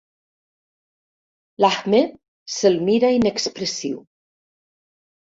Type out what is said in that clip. L'Ahmed se'l mira inexpressiu.